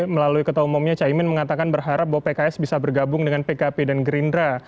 melalui ketua umumnya caimin mengatakan berharap bahwa pks bisa bergabung dengan pkp dan gerindra